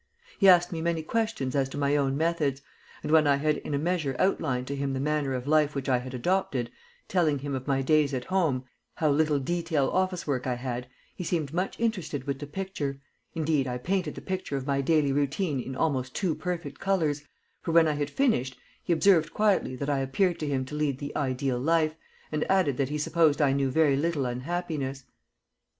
He asked me many questions as to my own methods; and when I had in a measure outlined to him the manner of life which I had adopted, telling him of my days at home, how little detail office work I had, he seemed much interested with the picture indeed, I painted the picture of my daily routine in almost too perfect colors, for, when I had finished, he observed quietly that I appeared to him to lead the ideal life, and added that he supposed I knew very little unhappiness.